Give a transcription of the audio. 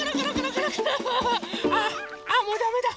ああもうだめだ。